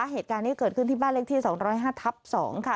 เหตุการณ์นี้เกิดขึ้นที่บ้านเลขที่๒๐๕ทับ๒ค่ะ